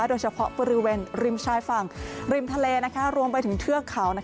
โดยเฉพาะบริเวณริมชายฝั่งริมทะเลรวมไปถึงเทือกเขา